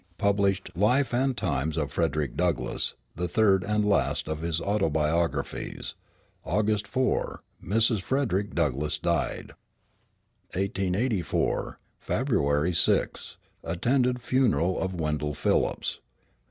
_ Published Life and Times of Frederick Douglass, the third and last of his autobiographies. August 4. Mrs. Frederick Douglass died. 1884 February 6. Attended funeral of Wendell Phillips.